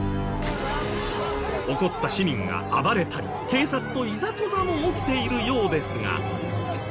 怒った市民が暴れたり警察といざこざも起きているようですが。